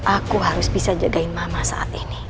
aku harus bisa jagain mama saat ini